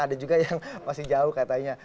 ada juga yang masih jauh katanya